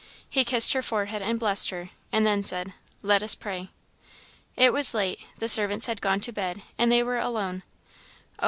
He kissed her forehand and blessed her; and then said, "Let us pray." It was late; the servants had gone to bed, and they were alone. Oh!